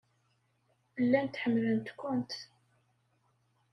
Llant ḥemmlent-kent.